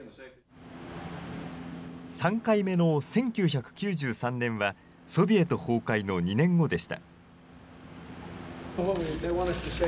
３回目の１９９３年は、ソビエト崩壊の２年後でした。